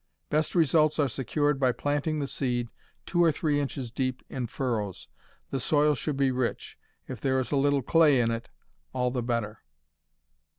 Best results are secured by planting the seed two or three inches deep in furrows. The soil should be rich. If there is a little clay in it, all the better.